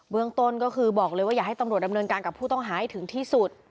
เมืองต้นก็คือบอกเลยว่าอยากให้ตำรวจดำเนินการกับผู้ต้องหาให้ถึงที่สุด